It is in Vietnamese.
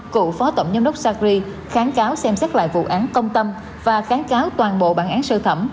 cựu phó tổng giám đốc sacri kháng cáo xem xét lại vụ án công tâm và kháng cáo toàn bộ bản án sơ thẩm